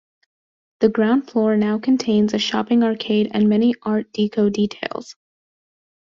The ground floor now contains a shopping arcade and many art deco details.